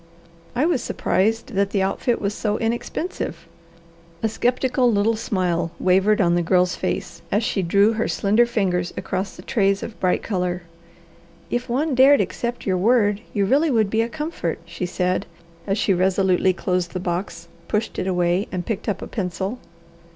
I was surprised that the outfit was so inexpensive." A skeptical little smile wavered on the Girl's face as she drew her slender fingers across the trays of bright colour. "If one dared accept your word, you really would be a comfort," she said, as she resolutely closed the box, pushed it away, and picked up a pencil.